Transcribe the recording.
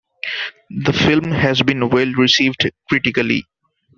The film has been well-received critically.